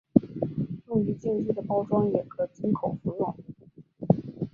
用于静滴的包装也可经口服用。